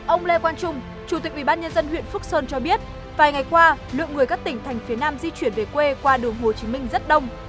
ông lê quang trung chủ tịch ubnd huyện phước sơn cho biết vài ngày qua lượng người các tỉnh thành phía nam di chuyển về quê qua đường hồ chí minh rất đông